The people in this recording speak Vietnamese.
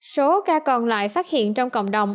số ca còn lại phát hiện trong cộng đồng